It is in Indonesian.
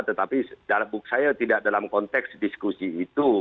tetapi saya tidak dalam konteks diskusi itu